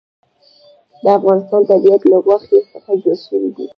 د افغانستان طبیعت له غوښې څخه جوړ شوی دی.